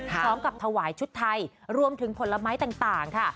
พร้อมกับถวายชุดไทยรวมถึงผลไม้ต่างค่ะ